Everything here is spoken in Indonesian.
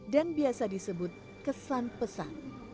dan biasa disebut kesan pesan